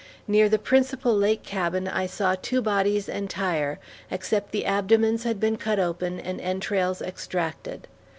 Near the principal lake cabin I saw two bodies entire, except the abdomens had been cut open and entrails extracted.